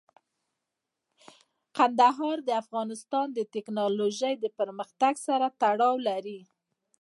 کندهار د افغانستان د تکنالوژۍ پرمختګ سره تړاو لري.